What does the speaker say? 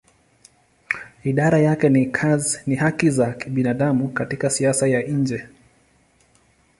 Idara yake ni haki za binadamu katika siasa ya nje.